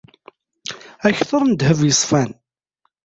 Akter n ddheb yeṣfan.